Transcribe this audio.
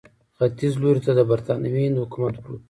ختیځ لوري ته د برټانوي هند حکومت پروت وو.